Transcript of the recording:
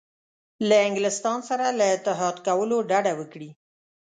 له انګلستان سره له اتحاد کولو ډډه وکړي.